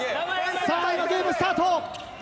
さあ今ゲームスタート！